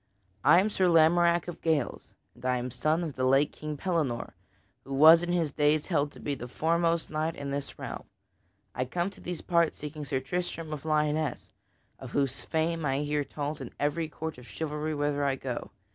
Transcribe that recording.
I am Sir Lamorack of Gales, and I am son of the late King Pellinore, who was in his days held to be the foremost knight in this realm. I come to these parts seeking Sir Tristram of Lyonesse, of whose fame I hear told in every court of chivalry whither I go.